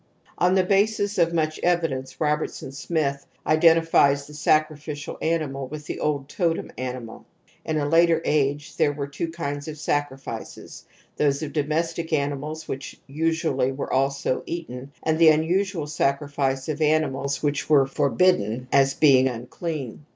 On the basis of much evidence Robertson Smith identifies the sacrificial animal with the old totem animal. In a later age there were two kinds of sacrifices, those of domestic animals which usually were also eaten, and the unusual sacrifice of animals which were forbid INFANTILE RECURRENCE OF TOTEMISM 227 den as being unclean.